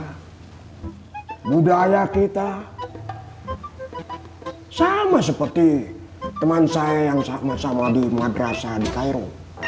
hai budaya kita sama seperti teman saya yang sama sama di madrasah di cairo